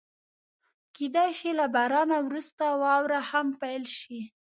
کېدای شي له بارانه وروسته واوره هم پيل شي.